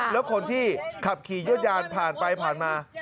แล้วคนที่ขับขี่ยดยานผ่านไปผ่านมา